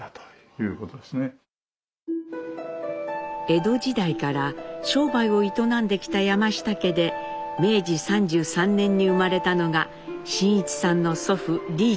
江戸時代から商売を営んできた山下家で明治３３年に生まれたのが真一さんの祖父利一です。